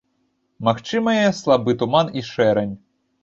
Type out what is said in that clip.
Магчымыя слабы туман і шэрань.